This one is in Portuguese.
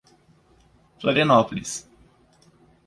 Florianópolis